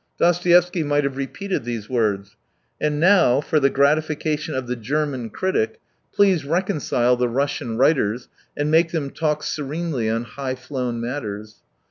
Dostoev 86 sky might have repeated these words '... And now, for the gratification of the German critic, please reconcile the Russian writers and make them talk serenely on high flown matters!